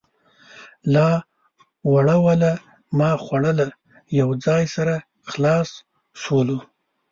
لالا وړوله ما خوړله ،. يو ځاى سره خلاص سولو.